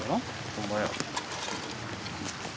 ほんまや。